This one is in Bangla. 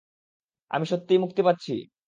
সত্যিই আমি মুক্তি পাচ্ছি?